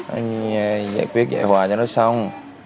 anh giải quyết giải hòa cho nó xong